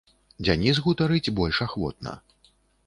Дзяніс гутарыць больш ахвотна.